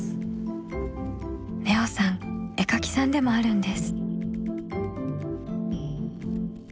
麗生さん絵描きさんでもあるんです。